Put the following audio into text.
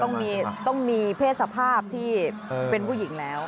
ต้องมีเพศสภาพที่เป็นผู้หญิงแล้ว